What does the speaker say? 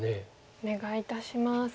お願いいたします。